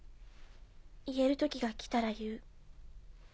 言える時が来たら言う。